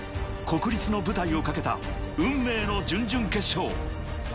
国立の舞台を懸けた運命の準々決勝。